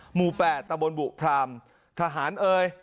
หมู่๘ตะบนบุพรามทหารเอ่ย